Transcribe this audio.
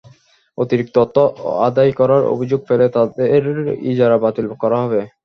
অতিরিক্ত অর্থ আদায় করার অভিযোগ পেলে তাঁদের ইজারা বাতিল করা হবে।